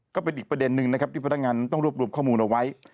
ก็เป็นอีกประเด็นนึงนะครับที่พนักงานต้องรวบรวมข้อมูลเอาไว้